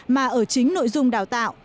mà ở chính nội dung đào tạo